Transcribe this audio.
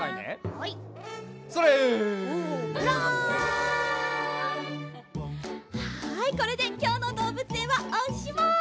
はいこれできょうのどうぶつえんはおしまい。